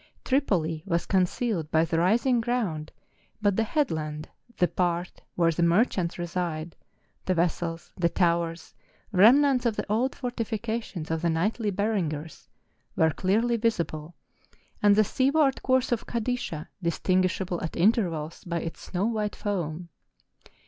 Tripoli was concealed by the rising ground, but the headland, the part where the merchants reside, the vessels, the towers, remnants of the old fortifications of the knightly Berengers, were clearly visible, and the seaward course of Kadisha, distinguishable at intervals by its snow white foam.